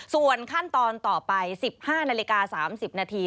ส่วนขั้นตอนต่อไป๑๕นาฬิกา๓๐นาที